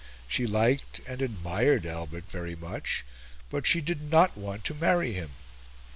She liked and admired Albert very much, but she did not want to marry him.